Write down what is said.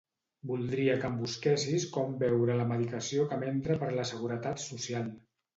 Voldria que em busquessis com veure la medicació que m'entra per la Seguretat Social.